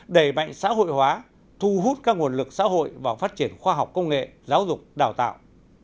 đẩy mạnh xã hội hóa thu hút các nguồn lực xã hội vào phát triển khoa học công nghệ giáo dục đào tạo